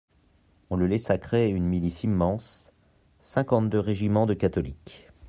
On le laissa créer une milice immense, cinquante-deux régiments de catholiques.